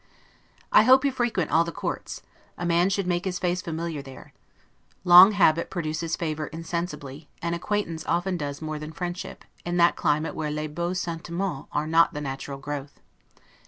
I hope you frequent all the courts: a man should make his face familiar there. Long habit produces favor insensibly; and acquaintance often does more than friendship, in that climate where 'les beaux sentimens' are not the natural growth.